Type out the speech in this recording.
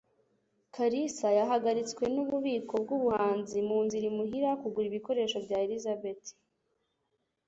Kalisa yahagaritswe nububiko bwubuhanzi munzira imuhira kugura ibikoresho bya Elisabeth